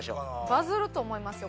バズると思いますよ